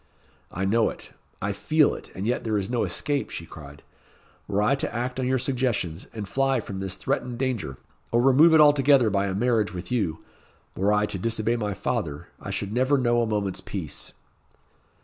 "I know it I feel it; and yet there is no escape," she cried, "Were I to act on your suggestions, and fly from this threatened danger, or remove it altogether by a marriage with you were I to disobey my father, I should never know a moment's peace."